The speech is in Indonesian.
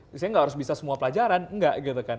biasanya gak harus bisa semua pelajaran enggak gitu kan